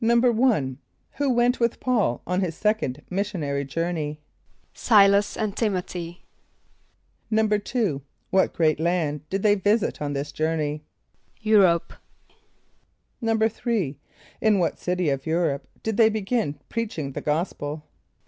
= Who went with P[a:]ul on his second missionary journey? =S[=i]´las and T[)i]m´o th[)y].= =2.= What great land did they visit on this journey? =Europe.= =3.= In what city of Europe did they begin preaching the gospel?